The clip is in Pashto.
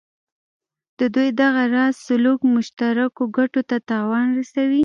د دوی دغه راز سلوک مشترکو ګټو ته تاوان رسوي.